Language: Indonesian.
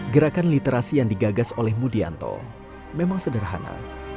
gerakan literasi yang digagas oleh mudi anto memang sederhana